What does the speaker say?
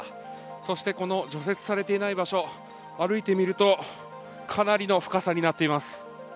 そしてこの除雪していない場所歩いてみるとかなりの深さになっています。